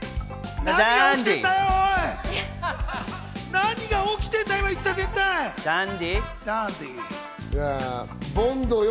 何が起きてんだよ！